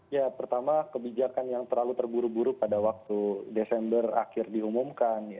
ya pertama kebijakan yang terlalu terburu buru pada waktu desember akhir diumumkan